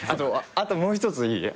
あともう一ついい？